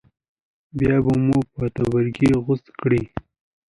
بیا به مو په تبرګي غوڅه کړه.